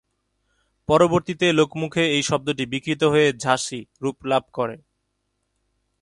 পরবর্তীতে লোকমুখে এই শব্দটি বিকৃত হয়ে ঝাঁসি রূপ লাভ করে।